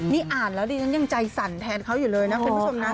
นี่อ่านแล้วดิฉันยังใจสั่นแทนเขาอยู่เลยนะคุณผู้ชมนะ